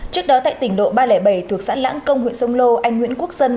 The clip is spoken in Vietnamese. trước đó tại tỉnh lộ ba trăm linh bảy thuộc xã lãng công huyện sông lô anh nguyễn quốc dân